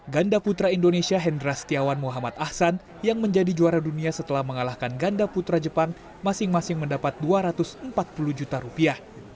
ganda putra indonesia hendra setiawan muhammad ahsan yang menjadi juara dunia setelah mengalahkan ganda putra jepang masing masing mendapat dua ratus empat puluh juta rupiah